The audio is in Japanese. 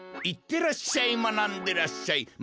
いってらっしゃいまなんでらっしゃい。